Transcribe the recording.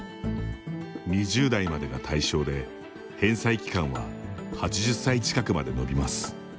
２０代までが対象で、返済期間は８０歳近くまで延びます。